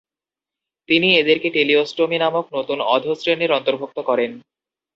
তিনি এদেরকে টেলিওস্টোমি নামক নতুন অধঃশ্রেণীর অন্তর্ভুক্ত করেন।